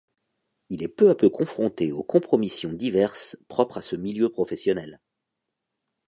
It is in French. Il est peu à peu confronté aux compromissions diverses propres à ce milieu professionnel.